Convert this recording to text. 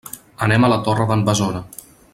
Anem a la Torre d'en Besora.